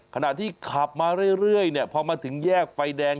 ขณะที่ขับมาเรื่อยพอมาถึงแยกไฟแดง